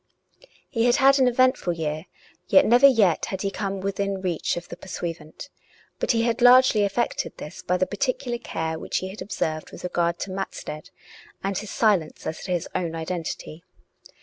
He had had an eventful year, yet never yet had he come within reach of the pursuivant. But he had largely effected this by the particular care which he had observed with regard to Matstead, and his silence as to his own identity.